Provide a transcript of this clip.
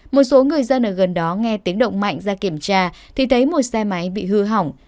một số người dân ở gần đó nghe tiếng động mạnh ra kiểm tra thì thấy một xe máy bị hư hỏng